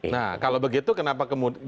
nah kalau begitu kenapa kemudian